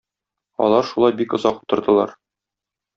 Алар шулай бик озак утырдылар.